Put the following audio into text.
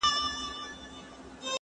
کتاب د زده کوونکي لخوا لوستل کېږي!.